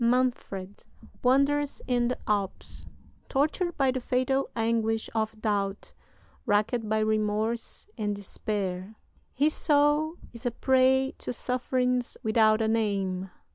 Manfred wanders in the Alps. Tortured by the fatal anguish of doubt, racked by remorse and despair, his soul is a prey to sufferings without a name.